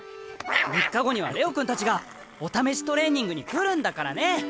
３日後にはレオくんたちがお試しトレーニングに来るんだからね！